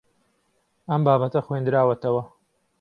ئەم بابەتە خوێندراوەتەوە.